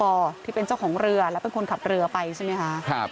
ก็มีคุณพอร์ที่เป็นเจ้าของเรือและเป็นคนขับเรือไปใช่ไหมคะ